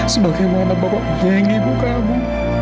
sebagaimana bapak ingin ibu kamu